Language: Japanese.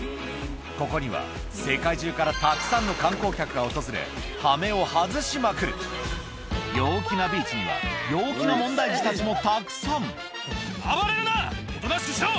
ここには世界中からたくさんの観光客が訪れハメを外しまくる陽気なビーチにはもたくさんおとなしくしろ！